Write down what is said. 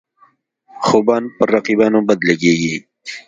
خوبان پر رقیبانو بد لګيږي.